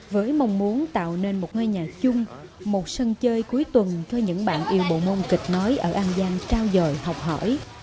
với mong muốn tạo nên một ngôi nhà chung một sân chơi cuối tuần cho những bạn yêu bộ môn kịch nói ở an giang trao dời học hỏi